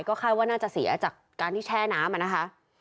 คาดว่าน่าจะเสียจากการที่แช่น้ำอะนะคะ